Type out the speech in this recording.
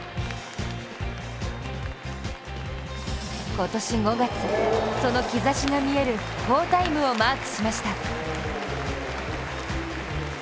今年５月、その兆しが見える好タイムをマークしました。